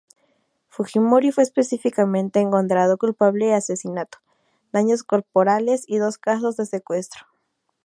Fujimori fue específicamente encontrado culpable de asesinato, daños corporales y dos casos de secuestro.